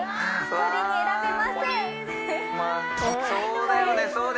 そうだよね